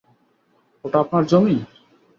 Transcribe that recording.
ওটা আপনার জমি?